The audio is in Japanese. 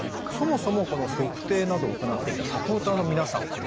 そもそもこの測定などを行っていたサポーターの皆さん